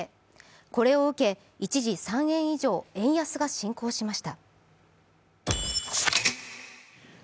これを受け一時３円以上円安が進行しました。